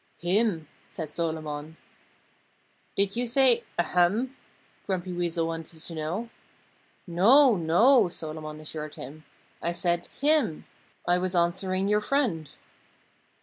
"Him!" said Solomon. "Did you say, 'Ahem?'" Grumpy Weasel wanted to know. "No, no!" Solomon assured him. "I said, 'him.' I was answering your friend."